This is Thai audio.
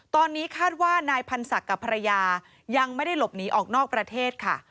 ตอนนี้คาดว่านายพันศักดิ์กับภรรยายังไม่ได้หลบหนีออกนอกประเทศค่ะ